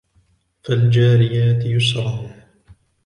فالجاريات يسرا